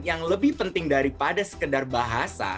dan yang lebih penting daripada sekedar bahasa